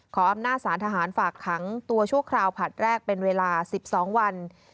อำนาจสารทหารฝากขังตัวชั่วคราวผลัดแรกเป็นเวลา๑๒วัน